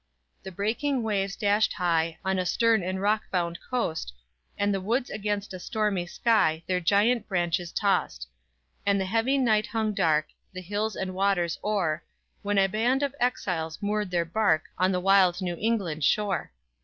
_"The breaking waves dashed high On a stern and rock bound coast, And the woods against a stormy sky Their giant branches tossed. And the heavy night hung dark, The hills and waters o'er When a band of exiles moored their bark On the wild New England shore.